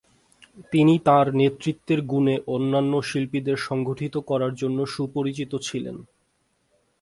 তিনি তাঁর নেতৃত্বের গুণে অন্যান্য শিল্পীদের সংগঠিত করার জন্য সুপরিচিত ছিলেন।